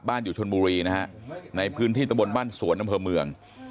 อยู่ชนบุรีนะฮะในพื้นที่ตะบนบ้านสวนอำเภอเมือง